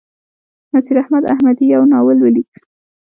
نصیراحمد احمدي یو ناول ولیک.